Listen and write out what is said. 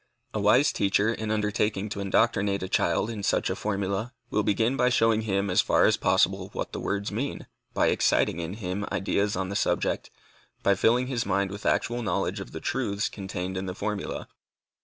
A wise teacher, in undertaking to indoctrinate a child in such a formula, will begin by showing him as far as possible what the words mean, by exciting in him ideas on the subject, by filling his mind with actual knowledge of the truths contained in the formula.